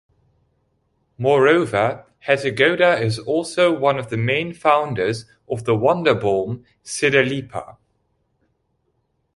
Moreover, Hettigoda is also one of the main founders of the wonder balm, Siddhalepa.